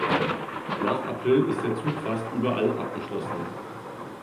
Nach April ist der Zug fast überall abgeschlossen.